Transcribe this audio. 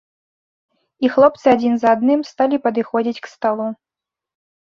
І хлопцы адзін за адным сталі падыходзіць к сталу.